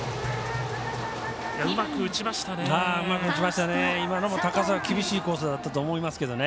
うまく打ちましたね。